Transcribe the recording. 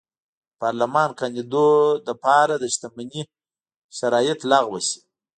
د پارلمان کاندېدو لپاره د شتمنۍ شرایط لغوه شي.